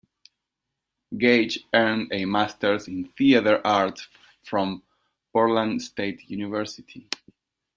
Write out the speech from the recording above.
Gage earned a masters in theater arts from Portland State University.